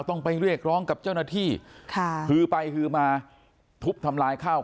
ต้องไปเรียกร้องกับเจ้าหน้าที่ค่ะฮือไปฮือมาทุบทำลายข้าว